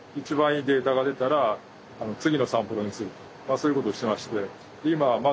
そういうことをしてまして。